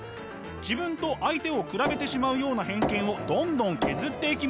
自分と相手を比べてしまうような偏見をどんどん削っていきます。